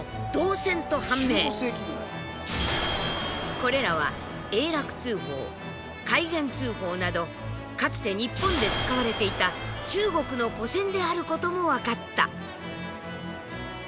これらは永楽通宝開元通宝などかつて日本で使われていた中国の古銭であることも分かった。